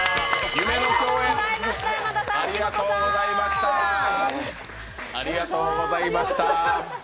夢の共演、ありがとうございました。